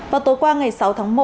vào tối qua ngày sáu tháng một